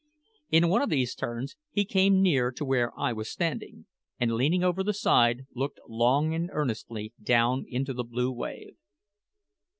In one of these turns he came near to where I was standing, and leaning over the side, looked long and earnestly down into the blue wave.